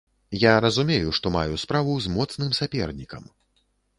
Я разумею, што маю справу з моцным сапернікам.